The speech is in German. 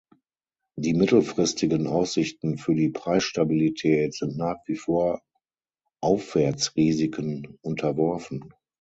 Die mittelfristigen Aussichten für die Preisstabilität sind nach wie vor Aufwärtsrisiken unterworfen.